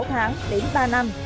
từ sáu tháng đến ba năm